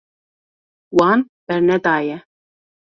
Wan bernedaye.